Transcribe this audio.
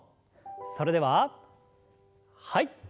それでははい。